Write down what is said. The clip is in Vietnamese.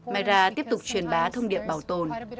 mayra tiếp tục truyền bá thông điệp bảo tồn